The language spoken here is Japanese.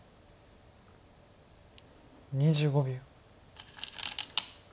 ２５秒。